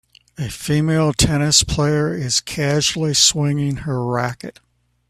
A female tennis player is casually swinging her racket.